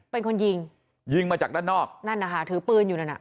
เป็นคนยิงยิงมาจากด้านนอกนั่นนะคะถือปืนอยู่นั่นอ่ะ